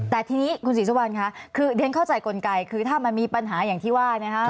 แต่ทีนี้คุณศรีสุวรรณค่ะคือเรียนเข้าใจกลไกคือถ้ามันมีปัญหาอย่างที่ว่านะคะ